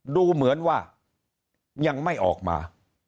ดูเหมือนว่ายังไม่ออกมา